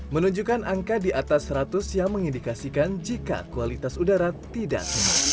menunjukkan angka di atas seratus yang mengindikasikan jika kualitas udara tidak